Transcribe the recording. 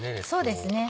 そうですね。